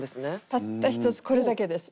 たったひとつこれだけです。